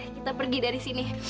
kita pergi dari sini